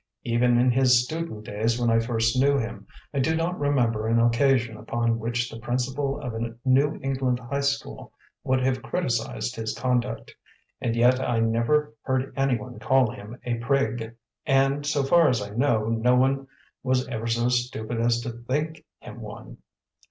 Even in his student days when I first knew him, I do not remember an occasion upon which the principal of a New England high school would have criticised his conduct. And yet I never heard anyone call him a prig; and, so far as I know, no one was ever so stupid as to think him one.